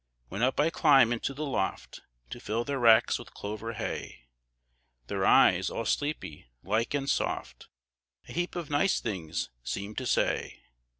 When up I climb into the loft To fill their racks with clover hay, Their eyes, all sleepy like and soft, A heap of nice things seem to say.